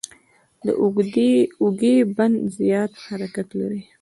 د اوږې بند زیات حرکت لري.